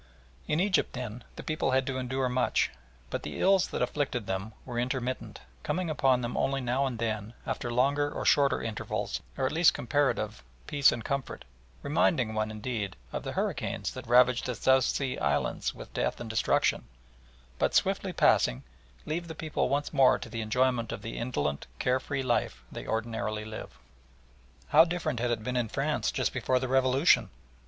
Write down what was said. In Egypt, then, the people had to endure much, but the ills that afflicted them were intermittent, coming upon them only now and then after longer or shorter intervals of at least comparative peace and comfort, reminding one, indeed, of the hurricanes that ravage the South Sea Islands with death and destruction, but, swiftly passing, leave the people once more to the enjoyment of the indolent, care free life they ordinarily live. How different had it been in France just before the Revolution!